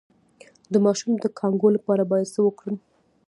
د ماشوم د کانګو لپاره باید څه وکړم؟